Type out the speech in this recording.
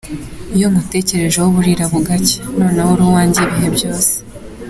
Iyo ngutekerejeho burira bugacya, noneho uri uwanjye ibihe byose, ….